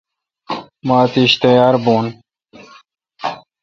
مہ اتیش تیار بھون۔